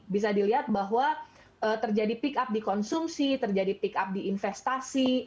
bisa dilihat bahwa terjadi pick up di konsumsi terjadi pick up di investasi